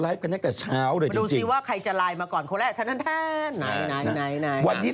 ให้เยอะเออเอ้ามั่วไม่ค่อยได้นั่งตรงนี้